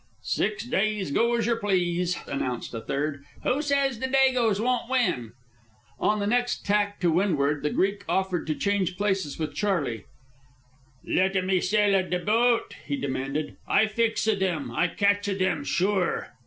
"Six days go as yer please," announced a third. "Who says the dagoes won't win?" On the next tack to windward the Greek offered to change places with Charley. "Let a me sail a de boat," he demanded. "I fix a them, I catch a them, sure."